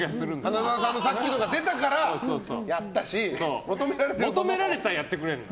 花澤さんのさっきのが出たからやったし求められたらやってくれるの。